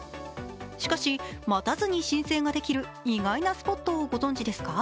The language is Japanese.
しかし、待たずに申請ができる意外なスポットをご存じですか。